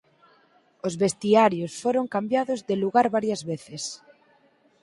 Os vestiarios foron cambiados de lugar varias veces.